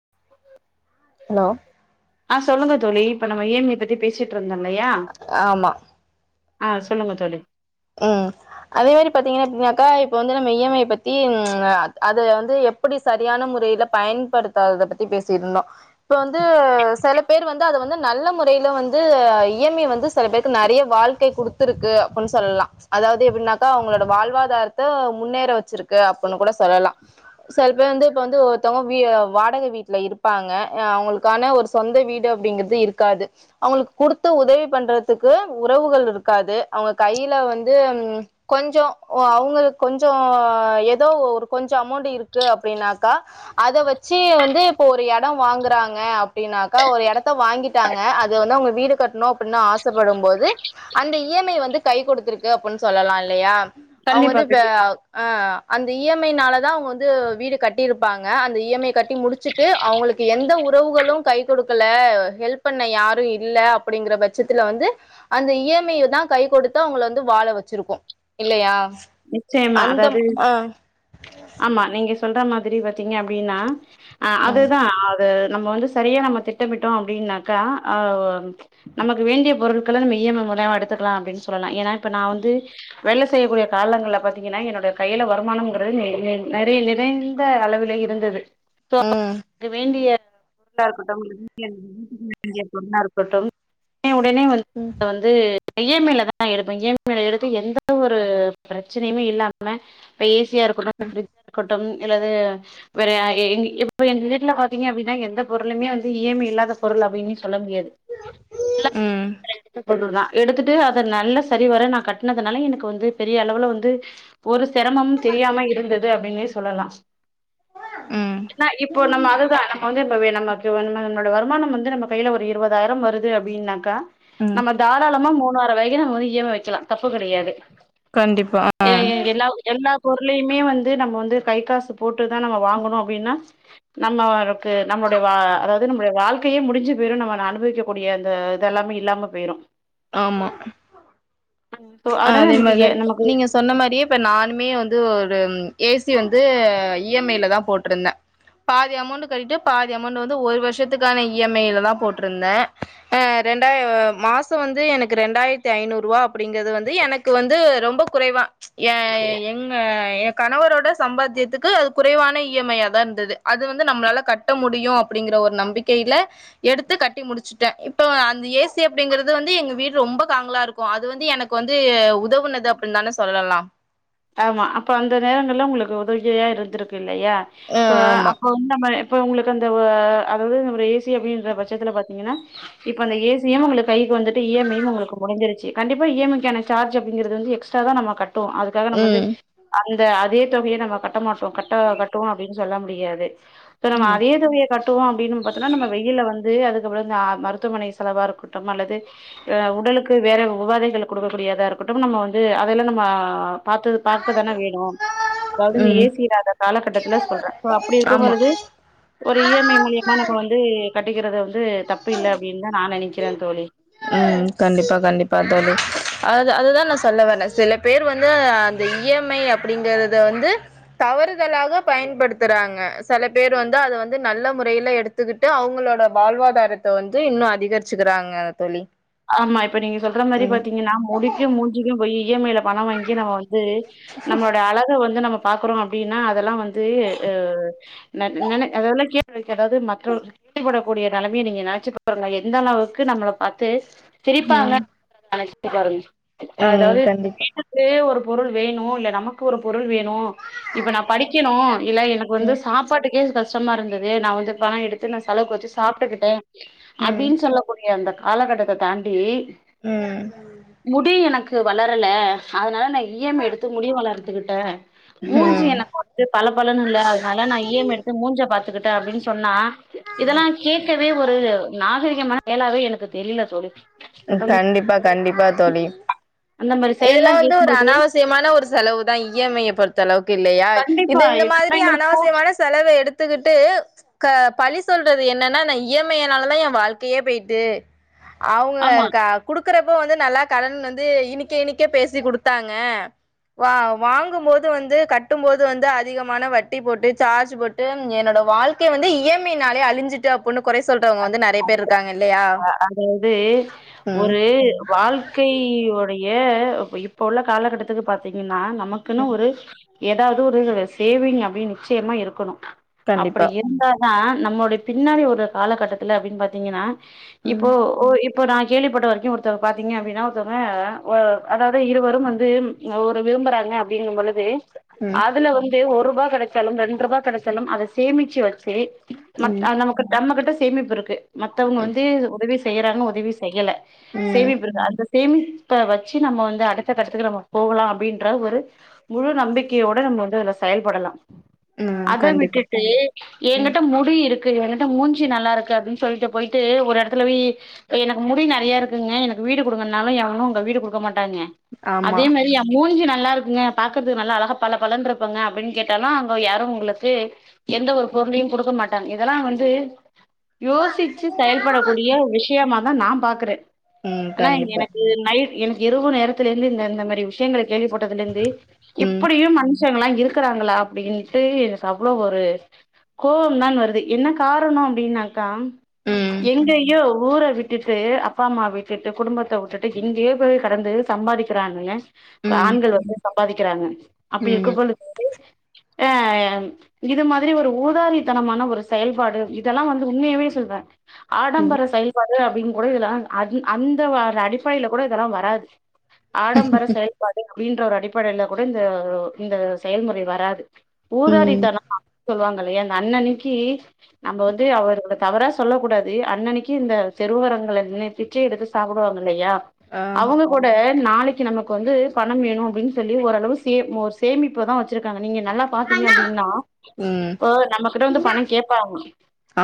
[inaudible] Hello ஆ சொல்லுங்க தோழி இப்ப நம்ம ஈ எம் ஐ பத்தி பேசிட்டு இருந்தோ ந்தோ இல்லயா ஆமா ஆஹ் சொல்லுங்க தோழி ம் அதே மாரி பாத்தீங்கன்னா அப்டின்னாக்கா இப்போ வந்து நம்ம ஈ எம் ஐ பத்தி ஆஹ் அது வந்து எப்டி சரியான முறையில பயன்படுத்தாத பத்தி பேசிருந்தோ இப்ப வந்து செலப் பேர் வந்து அத வந்து நல்ல முறையில வந்து இ எம் ஐ வந்து சில பேருக்கு நறைய வாழ்க்கை குடுத்துருக்கு அப்புன்னு சொல்லா அதாவ்து எப்டின்னாக்கா அவ்ங்களோட வாழ்வாதாரத்த முன்னேற வச்சிருக்கு அப்புன்னு கொட சொல்லலா செல் பேர் வந்து இப்ப வந்து ஒருத்தவங்க வீ ஆஹ் வாடக வீட்ல இருப்பாங்க அவ்ங்களுக்கான ஒரு சொந்த வீடு அப்டிங்கறது இருக்காது அவ்ங்களுக்கு குடுத்து உதவி பண்றதுக்கு உறவுகள் இருக்காது அவ்ங்க கையில வந் து கொஞ்சோ அவ்ங்களுக்கு கொஞ்சோ ஏதோ ஒரு கொஞ்சோ அமௌண்ட் இருக்கு அப்டின்னாக்கா அத வச்சு வந்து இப்ப ஒரு எடம் வாங்குறாங்க அப்டின்னாக்கா ஒரு எடத் த வாங்கிட்டாங்க அது வந்து அவ்ங்க வீடு கட்ணு அப்புன்னு ஆசைப்படும்போது அந்த இ எம் ஐ வந்து கை குடுத்துருக் கு அப்புன்னு சொல்லலா இல்லையா அவ்ங்க கண்டிப்பா வந்து இப்ப கண்டிப்பா ஆஹ் அந் த இ எம் ஐ னால தா அவ்ங்க வந்து வீடு கட்டிருப்பாங் க அந்த இ எம் ஐ கட்டி முடிச்சுட்டு அவ்ங்களுக்கு எந்த உறவுகளு கை குடுக்கல ல ஹெல்ப் பண்ண யாரும் இல்ல அப்டிங்கிற பட்சத்துல வந்து அந்த இ எம் ஐ தா கை குடுத்து அவ்ங்ள வந் து வாழ வச்சிருக்கு இல்லையா நிச்சயமா அந்த அதாவ்து ஆ ஆமா நீங்க சொல்ற மாத்ரி பாத்தீங்க அப்டின்னா ஆஹ் ம் அதுதா ஆ த நம்ம வந்து சரியா நம்ம திட்டமிட்டோ அப்டின்னக்கா [unintelligible] நமக்கு வேண்டிய பொருட்கள நம்ம இ எம் ஐ மூலமா எடுத்துக்கலா அப்டின்னு சொல்லலா ஏன்னா இப்ப நா வந்து வேல செய்யக்கூடிய காலங்கல பத்தீங்கன்னா என்னோடைய கையில வருமானம்ங்றது நெ நெர் நெறைய நிறைந்த அளவில இருந்தது சோ [inaudible] வேண்டிய பொருளா இருக்கட்டு இல்ல வீட்ல வீட்டுக்கு வாங்கிய பொருளா இருக்கட்டு [unintelligible] உடனே வந் ம் அத வந்து இ எம் ஐ ல தா எடுப்பே இ எம் ஐ ல எடுத்து எந்த ஒரு ப்ரச்சனையுமே இல்லாம இப்ப எ சி ய இருக்கட்டு இல்ல ப்ரிட்ஜ்ஜ இருக் டோ இல்லாது வேறய எங் இப் எங்க வீட்டுல பாத்தீங்கன்னா அப்டின்னா எந்த பொருளுமே வந்து இ எம் ஐ இல்லாத பொருள் அப்டின்னு சொல் ல முடியாது எல்லாமே ம் இ எம் ஐ ல எடுத்தது பொருளு தா எடுத்துட்டு அத நல்ல சரி வர நா கட்னதனால எனக்கு வந்து பெரிய அளவுல வந்து ஒரு சிரமமும் தெரியாம இருந்தத் து அப்டின்னே சொல்லலா ம் என்னா இப்போ நம்ம அதுதா நம்ம வந்து ப்பவே நமக்கு நமோட வருமானம் வந்து நம்ம கையில ஒரு இருபதாயிரம் வருது அப்டின்னாக்கா ம் நம்ம தாராளமா மோ வர வரைக்கு நம்ம வந்து இ எம் ஐ வைக்கலாம் தப்பு கிடையாது கண்டிப்பா அ எ எல்லா எல்லா பொருளையுமே வந்து நம்ம வந்து கை காசு போட்டுதா நம்ம வாங்கணும் அப்டின்னா நம்மளுக்கு நம்மளுடைய வா அதாவது நம்மளுடைய வாழ்க்கையே முடிஞ்சு போயிரும் நம்ம ந அனுபவிக்கக்கூடிய அந்த இததெல்லாமே இல்லாம போயுடும் ஆமா சோ அதனால நமக்கு ஏ வெதப் நம்ம நீங்க சொன்ன மாரியே இப்ப நானுமே வந்து ஒரு ஏசி வந்து இ எம் ஐல தா போட்ருந்தே பாதி அமௌண்ட் கட்டிட்டு பாதி அமௌண்ட் வந்து ஒரு வருஷத்துக்கான இ எம் ஐல தா போட்ருந்தே அ ரெண்டா மாசம் வந்து எனக்கு ரெண்டாயிரத்தி ஐநூறு ரூபா அப்டிங்கறது வந்து து எனக்கு வந்து ரொம்ப குறைவா ஏ எங்க எ கணவரோட சம்பாத்தியத்துக்கு அது குறைவான இ எம் ஐயாதா இருந்துது அது வந்து நம்மளால கட்ட முடியு அப்டிங்கிற ஒரு நம்பிக்கையில எடுத்து கட்டி முடிச்சுட்டே இப்போ அந்த ஏசி அப்டிங்கிறது வந்து எங்க வீடு ரொம்ப காங்களா இருக்கும் அது வந்து எனக் கு வந்து உதவுனது அப்டின்னு தான சொல்லலாம். ஆமா அப்ப அந்த நேரங்கள்ல உங்களுக்கு உதவியா இருந்திருக்கு. இல்லையா ம் சோ ஆமா. அப்ப வந்து நம்ம இப்ப உங்களுக்கு. அந்த வ அதாவது அந்த ஏசி அப்டின்ற பட்சத்துல பாத்திங்கனா இப்போ அந்த ஏசியு உங்களுக்கு கைக்கு வந்துட்டு இ எம் ஐயும் உங்களுக்கு முடிஞ்சுருச்சு கண்டிப்பா இ எம் ஐக்கான ஜார்ஜ் அப்படிங்குறது வந்து எக்ஸ்ட்ராதா நம்ப கட்டுவோம். க்காக நம்ம வந்து ம். அந்த அதே தொகைய நம்ம கட் கட்ட மாட்டோ கட்ட கட்டுவோ அப்டின்னு சொல்ல முடியாது சோ நம்ம ம். அதே தொகைய கட்டுவோம் அப்டின்னு பாத்தோம்ன்னா நம்ம வெயில வந்து அதுக் அதுக்கப்பற இந்த மருத்துவமனை செலவா இருக்கட்டும் அல்லது உடலுக்கு வேற உபாதைகள் கொடுக்கக்கூடிய இருக்கட்டும் நம்ம வந்து அதெல்லாம் நம்ம. பாத்து பாக்க தானே வேணும். அதாவது இந்த ம். ஏசி இல்லாத காலகட்டத்தில்ல சொல்றே சோ அப்டி இருக்கும் ஆமா. பொழுது ஒரு இ எம் ஐ மூலியமா நம்ம வந்து. கட்டிக்கிறத வந்து தப்பு இல்ல அப்டின்தா நா நெனைக் கிற தோழி. ம் கண்டிப்பா கண்டிப்பா தோழி அதாவது அதுதா நா சொல்ல வறே சில பேர் வந்து அந்த இ எம் ஐ அப்டிங்கறத வந்து தவறுதலாக பயன்படுத்துறாங்க சில பேர் வந்து அத வந்து நல்ல முறையில எடுத்துக்கிட்டு அவங்களோட வாழ்வாதாரத்தை வந்து இன்னு அதிகரிச்சுக்கிறாங்க. தோழி ஆமா இப்ப நீங்க சொல்ற மாரி ம் பாத்தீங்கனா முடிக்கும் மூஞ்சுக்கும் போயி இ எம் ஐல பணம் வாங்கி நம்ம வந் து நம்மளோட அழக வந்து நம்ம பாக்றோ அப்டின்னா அதெல்லா வந்து ந நென அதெல்லாம் கேட் அதாவது மற்றவர்களை திருப்தி பட கூடிய நிலமைய நீங்க நினைச்சி பாருங்க எந்த அளவுக்கு நம்மள பாத் து. சிரிப்பாங்க ம் நினைச்சிட்டு பாருங்க ம் அதாவது கண்டிப்பா வீட்டுக்கு ஒரு பொருள் வேணும் இல்ல நமக்கு ஒரு பொருள் வே ணும் இப்ப நான் படிக்கணும் இல்ல எனக்கு வந்து ம் சாப்பாட்டுக்கே கஷ் கஷ்டமா இருந்தது நான் வந்து பணம் எடுத்து செலவுக்கு வச்சு சாப்பிட்டுக்கிட்டேன் ம் அப்பின்னு சொல்லக்கூடிய அந்த காலகட்டத்தை தாண்டி உம் க்கு வளரல அதனால நான் இ எம் ஐ எடுத்து முடியும் வளர்ந்துக்கிட்டேன் மூஞ்சி ம் எனக்கு வது பல பலன்னு இல்ல அதனால நான் இ எம் ஐ எடுத்து மூஞ்சை பாத்துக்கிட்டேன் அப்படின்னு சொன்னா இதெல்லா கேட்கவே ஒரு நாகரீகமான எனவே எனக்கு தெரியல தோழி அந் கண்டிப்பா கண்டிப்பா தோழி அந்த மாரி இதெல்லா செயல்லா வந்து ஒரு கேக்கும்போது அனாவசியமான ஒரு செலவு தான் இ எம் ஐய பொறுத்த அளவுக்கு க்கு இல்லையா இது கண்டிப்பா இந்த இதெல்லா மாரி எங்களுக்கு போ அனாவசியமான செலவை எடுத்துக்கிட்டு ச்சு பழி சொல்றது என்னன்னா நான் இ எம் ஐயானாலதான் என் வாழ்க்கையே போயிட்டு இப்ப ஆமா கா குடுக் குடுக்றப்ப வந்து நல்லா கடன் வந்து இனிக்க இனிக்க பேசிடுத்தாங்க வா வாங்கும்போது வந்து கட்டும் போது வந்து அதிகமான வட்டி போட்டு சார்ஜ் போட்டு என்னோட வாழ்க்கை வந்து இ எம் ஐ நாலே அழி்சட்டு அப்டினு குறை சொல்றவங்க வந்து நெறைய பேர் இருக்காங்க இல்லையா ந்து ம் ஒரு வாழ்க்கையுடைய ஏ இப்ப உள்ள காலகட்டத்துக்கு பாத்தீங்கன் ன்னா நமக்குன்னு ம் ஒரு ஏதாவது ஒரு சேவிங் அப்படின்னு நிச்சயமா இருக்கணும் கண்டிப்பா அப்படி இருந்தாதான் நம்மளுடைய பின்னாடி ஒரு காலகட்டத்தில அப்படின்னு பாத்திங்கன்னா ம் இப்போ ஓ இப் இப்போ நான் கேள்விப்பட்ட வரைக்கும் ஒருத்தவங்க பாத்தீங்க அப்படின்னா ஒருத்தவங்க ஒ அதாவது இருவரும் வந்து ஒரு விரும்புகறாங்க அப்படிங்கும் பொழுது ம் அதுல வந்து ஒரு ரூபாய் கிடைச்சாலும் ரெண்டு ரூபாய் கிடைச்சாலும் அத சேமிச்சு வச்சு நம் ம் நமக்கு நம்ம கிட்ட சேமிப்பு இருக்கு மத்தவங்க ம் வந்து உதவி செய்யறாங்க உதவி செய்யலை ம் சேமிப்பு அந்த சேமிப்ப வச்சு நம்ம வந்து அடுத்த கட்டத்துக்கு நம்ம போகலாம் அப்படின்ற ஒரு முழு நம்பிக்கையோட நம்ம வந்து இதுல செயல்படலாம் ம் அதை கண்டிப்பா விட்டுட்டு ம் என்கிட்ட முடி இருக் [unintelligible] மூஞ்சு நல்லா இருக்கு அப்படின்னு சொல்ட்டு போயிட்டு ஒரு எடத்துல போய் எனக்கு முடி நிறைய இருக்குங்க எனக்கு வீடு கொடுங்கனாலும் எவனும் உங்க வீடு கொடுக்க மாட்டாங்க ஆமா அதே மாரி மூஞ்சு நல்லா இருக் ங்க பாக்கரதுக்கு நல்ல அழகா பல பலனு இருப்பங்க அப்படின்னு கேட்டாலும் அவங்க யாரும் உங்களுக்கு எந்த ஒரு பொருளையும் கொடுக்க மாட்டாங்க இதெல்லாம் வந்து து யோசிச்சு செயல்படக்கூடிய விஷயமா மா நான் பாக்குறேன் ம் ஆனா கண்டிப்பா எனக்கு நைட் எனக்கு இரவு நேரத்தில இருந்து இந்தந்த மாரி விஷயங்களை கேள்விப்பட்டதுல இருந்து ம் இப்படியும் மனு ச இருக்கிறாங்களா அப்படின்ட்டு எனக்கு அவ்வளவு ஒரு கோபம் தான் வருது எனக்கு காரணம் அப்படின்னாக்கா ம் எங்கயோ ஊரை விட்டுட்டு அப்பா அம்மா விட்டுட்டு குடும்பத்தை உட்டுட்டு எங்கேயே போய் கடந்து சம்பாதிக்கிறானங்கு இப்ப ம் ஆண்கள் வந்து பாதிக்கிறாங்க அப்படி இருக்க ம் போழுது ஆ இது மாதிரி ஒரு ஊதாரித்தனமான ஒரு செயல் பாடு இதெல்லாம் வந்து உண்மையவேே சொல்லுவன் ம் ஆடம்பர செயல்பாடு அப்படின்னு கூட இதெல்லாம் ஆ அந்த அடிப்படையில கூட இதெல்லாம் வராது ஆடம்பர செயல்பாடு அப்படின்ற ஒரு அடிப்படையில் கூட இந்த இந்த செயல்முறை வராது ஊதாரி ம் தனம் [unintelligible] சொல்லுவாங்க [unintelligible] அண்ணன்நைக்கி நம்ம வந்து அவர்கல தவறா சொல்ல கூடாது அண்ணனைக்கு இந்த தெறுஓரங்களை நின்ணு பிச்சே எடுத்து சாப்பிடுவாங்க இல்லையா ஆ அவங்க கூட நாளைக்கு நமக்கு வந்து பணம் வேணும் அப்படின்னு சொல்லி ஓரளவு சே ஒரு சேமிப்பு தான் வச்சிருக்காங்க நீங்க நல்லா பாத்தீங்க அப்படின்னா ம் இப்ப நம்மகிட்ட வந்து பணம் கேப்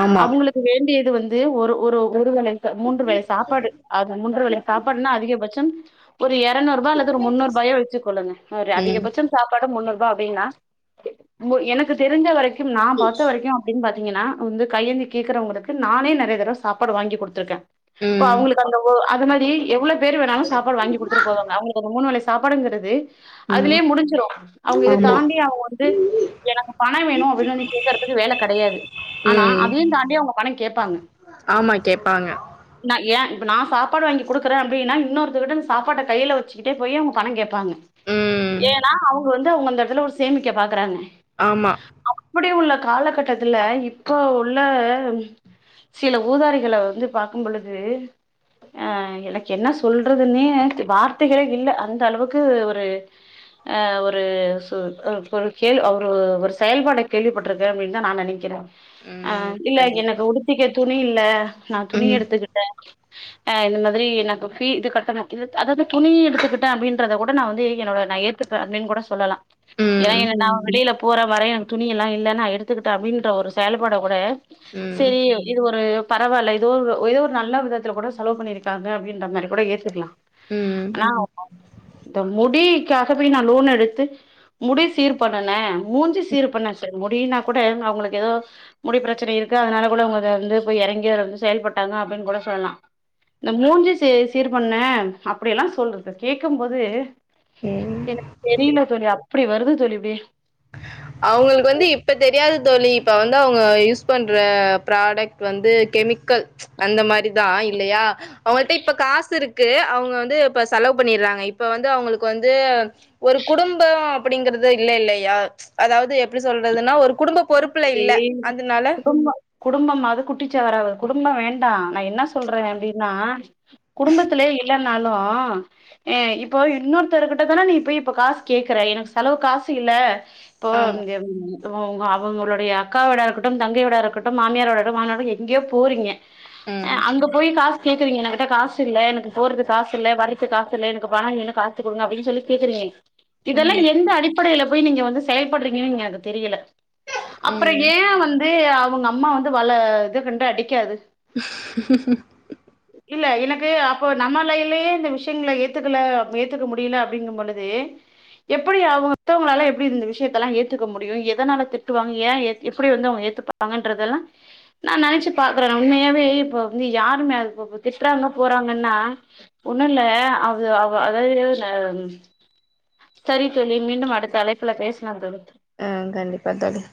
ஆமா அவங்களுக்கு வேண்டியது இது வந்து ஒரு ஒரு ஒ ம வே மூன்று வேலை சாப்பாடு அஹ் மூன்று வேலைய சாப்பாடுனா அதிகபட்சம் ஒரு இருநூறுபா அல்லது ஒரு முன்னூறுபாயோ வச்சுக்கொங்க ஒரு ம் அதிகபட்ச சாப்பாடு முன்னூறு வ அப்படின்னா மு எனக்கு தெரிஞ்ச வரைக்கு நா பாத்த வரைக்கும் பாத்தீங்கன்னா வந்து கையெந்தி கேக்குறவங்களுக்கு நானே நெறைய தடவ சாப்பாடு வாங்கி கொடுத்திருக்கே அப்ப ம் அவங்களுக்கு அந்த ஓ அது மாதிரி எவ்ளேக் பேர் வேணாலு சாபாடு வாங்கி குடுத்துட்டு போவாங்க அவுங்களுக்கு மோனொலஸ் சாப்பாடுங்கிறது ம் அதுலயே முடிஞ்சிடு அவங்க இத ஆமா தாண்டி அவங்க வந்து எனக்கு பண வேணு அப்படின்னு வந்து கேகறதுக்கு வேல கையாது ஆனா ம் அதையு தாண்டி அவங்க பண கேப்பாங்க ஆமா கேப்பாங்க நா ஏ இப்ப நா சாப்பாடு வாங்கி கொடுக்குறே அப்படின்னா இன்னொருத்தர்கிட்ட சாப்பாட்ட கையில வச்சுக்கிட்டே போய் அவங்க பண கேப்பாங்க ம் ஏன்னா அவங்க வந்து அவங்க அந்த எடத்துல ஒரு சேமிக்க பாக்குறாங்க ஆமா அப்படி உள்ள காலகட்ட கட்டதுல்ல இப்போ உள்ள சில ஊதாரிகள வந்து பாக்கும்பழுது அஹ் எனக்கு என்ன சொல்றதுன்னே வார்த்தைகளே இல்ல அந்த அளவுக்கு ஒரு ஆஹ் ஒரு [unintelligible] ஒரு செயல்பாட கேள்விப்பட்டிருக்கேப் தா நா நெனைக்கிறே ம் ஆஹ் இல்ல எனக்கு கண்டிப்பா உடுத்திக்கத் துணி இல்ல நா துணி ம் எடுத்துக்கிட்டே ஆஹ் இந்த மாதிரி எனக்கு பீ இது கட்டனும் இது அதாது துணி எடுத்துக்கிட்டே அப்படின்றத கூட நா வந்து என்னோட நா ஏத்துப்ப அப்படின்னு கூட சொல்லலா ஏ ம் இன்ன நா வெளியில போ போற வரையு எனக்கு துணி எல்லா இல்ன்னா எடுத் கத்துக்கிட்ட அப்டின்ற ஒரு செயல்பாட கூட ம் சரி இது ஒரு பரவாயில்ல இதுவ் இது ஒரு நல்ல விதத்துல கூட செலவு பண்ணியிருக்காங்க அப்டின்ற மாரி கூட ஏத்துக்கலா ம் நா [unintelligible] இந்த முடிக்காகவே நா லோன் எடுத்து முடி சீர் பண்ணனே மூஞ்சு சீறு பண்ண சர் முடின கூட அவங்களுக்கு ஏதோ முடி பிரச்சனை இருக்கு அதனால கூட அவங்க வந்து போய் எறங்கிய வந்து செயல்பட்டாங்க அப்படின்னு கூட சொல்லலா இந்த மூஞ்சுச் சீ சீர்பண்ண அப்படில்லா சொல்றக்கு கேட்க போது ம் எனக்கு தெரியல தோழி அப் அப்டி வருது தோழி அப்டி அவங்களுக்கு வந்து இப்ப தெரியாது தோழி இப்ப வந்து அவங்க யூஸ் பண்ற ப்ராடக்ட் வந்து கெமிக்கல் அந்த மாரிதா இல்லையா அவட்ட இப்ப காசு இருக் க்கு அவங்க வந்து இப்ப செலவு பண்ணிறாங்க இப்ப வந்து அவங்களுக்கு வந்து ஒரு குடும்பம் அப்படிங்கறது இல்லைல ய அதாவது எப்படி சொல்றதுன்னா ஒரு குடும்ப பொறுப்புல தே இல்ல. அதனால குடும்போ குடும்பமாது குட்டிச்செவுராது குடும்பம் வேண் டா நா என்ன சொல்றே அப்டின்னா குடும்பத்துலயே இல்லனாலு அ இப்போ இன்னொருத்தரு கிட்ட தானே நீ இப்ப காசு கேக்குற எனக்கு செலவுக் காசு இல்ல இப்போ ஆமா. [unintelligible] அவங்க அவங்களோட ய அக்காவோட இருக்கட்டும் தங்கையோட இருக்கட்டும் மாமியாரோடட்டு மாமரோட எங்கயோ போறீங்க ம். அஹ் அங்க போய் காசு கேக்குறீங்க என்கிட்ட காசு இல்ல எனக்கு போறதுக்கு காசுயில்ல வரைக்கு காசுயில்ல எனக்கு பணம் காசு கொடுங்க அப்படின்னு சொல்லி கேக்குறீங்க இதெல்லா ம். எந்த அடித்து அடிப்படையில போய் நீங்க வந்து செயல்படுறீங்கன்னு எனக்கு தெரியல அப்புறம் ம். ஏன் வந்து அவங்க அம்மா வந்து வல இது கண்டு அடிக்காது [inaudible] இல்ல எனக்கு அப்போ நம்மாலையிலயே இந்த விஷயங்க ஏத்துக்கல ஏத்துக்க முடியல அப்படிங்கும் பொழுது எப்படி அவங்க மத்தவங்களால எப்படி இந்த விஷயத்தல்லாம் ஏத்துக்க முடியும் எதனால திட்டுவாங்க ஏன் எப்படி வந்து அவங்க ஏத்துப்பாங்கன்றதெல்லாம் நான் நினைச்சு பாக்குறேன் உண்மையாவே இப்ப வந்து யாருமே அது திட்டுறாங்க போறாங்கன்னா ஒன்னுல்ல அது அதாவது சரித்தோழி மீண்டும் அடுத்த அழைப்புல பேசலாம் தோழி ஆஹ் கண்டிப்பா தோழி